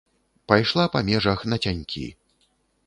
Пайшла па межах нацянькі.